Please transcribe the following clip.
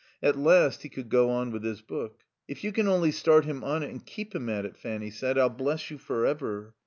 At last he could go on with his book. "If you can only start him on it and keep him at it," Fanny said, "I'll bless you for ever."